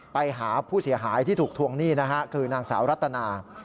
ไปหาผู้เสียหายที่ถูกทวงหนี้นะฮะคือนางสาวรัตนา